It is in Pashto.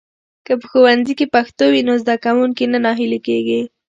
که په ښوونځي کې پښتو وي، نو زده کوونکي نه ناهيلي کېږي.